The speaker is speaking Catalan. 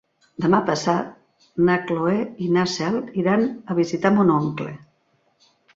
Demà passat na Cloè i na Cel iran a visitar mon oncle.